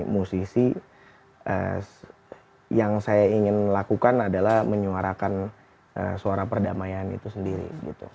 musisi yang saya ingin lakukan adalah menyuarakan suara perdamaian itu sendiri